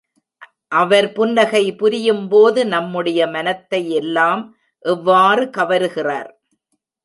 அவர் புன்னகை புரியும் போது நம்முடைய மனத்தையெல்லாம் எவ்வாறு கவருகிறார்!